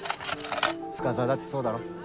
深沢だってそうだろ？